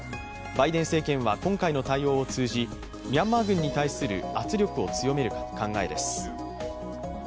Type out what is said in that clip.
バイデン政権は今回の対応を通じミャンマー軍に対する圧力を強める考えです。